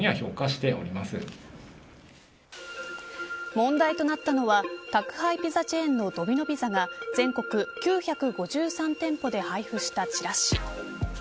問題となったのは宅配ピザチェーンのドミノ・ピザが全国９５３店舗で配布したチラシ。